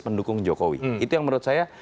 mendukung jokowi itu yang menurut saya